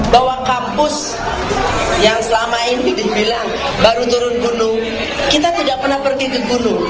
bahwa kampus yang selama ini dibilang baru turun gunung kita tidak pernah pergi ke gunung